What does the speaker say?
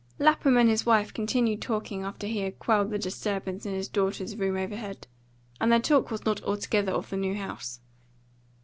LAPHAM and his wife continued talking after he had quelled the disturbance in his daughters' room overhead; and their talk was not altogether of the new house.